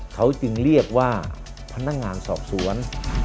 เขาจึงเรียกว่าพนักงานสอบสวน